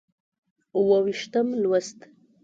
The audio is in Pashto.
اووه ویشتم لوست